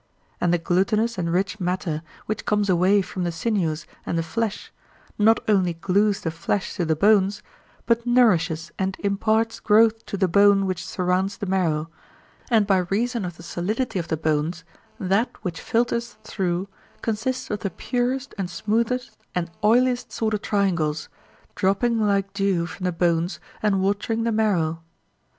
And the glutinous and rich matter which comes away from the sinews and the flesh, not only glues the flesh to the bones, but nourishes and imparts growth to the bone which surrounds the marrow; and by reason of the solidity of the bones, that which filters through consists of the purest and smoothest and oiliest sort of triangles, dropping like dew from the bones and watering the marrow.